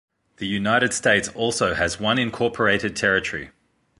The United States also has one incorporated territory.